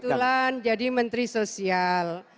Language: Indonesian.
kebetulan jadi menteri sosial